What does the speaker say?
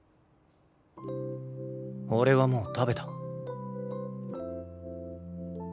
俺はもう食べた。